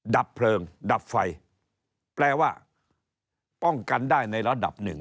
ดับเพลิงดับไฟแปลว่าป้องกันได้ในระดับหนึ่ง